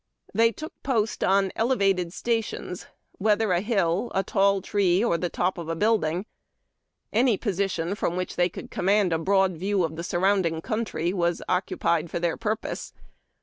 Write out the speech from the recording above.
They took post on elevated sta tions, whether a hill, a tall tree, or the top of a building. Any position from which they could command a broad view of the surrounding country was occupied for their purpose.